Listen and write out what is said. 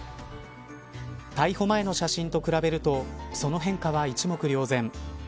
逮捕前の写真と比べるとその変化は一目瞭然。